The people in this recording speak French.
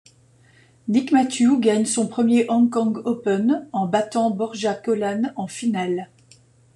Nick Matthew gagne son premier Hong Kong Open, en battant Borja Golán en finale.